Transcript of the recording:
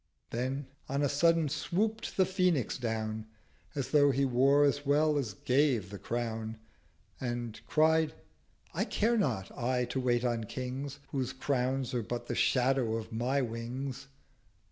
"' Then on a sudden swoop'd The Phoenix down As though he wore as well as gave The Crown: And cried—'I care not, I, to wait on Kings, Whose crowns are but the Shadow of my Wings!'